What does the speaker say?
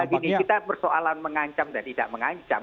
begini kita persoalan mengancam dan tidak mengancam